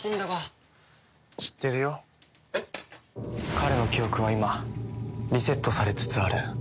彼の記憶は今リセットされつつある。